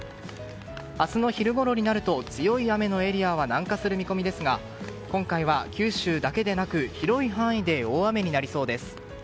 明日の昼ごろになると強い雨のエリアは南下する見込みですが今回は九州だけでなく広い範囲で大雨になりそうです。